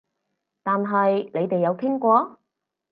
但係你哋有傾過？